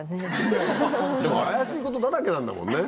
怪しいことだらけなんだもんね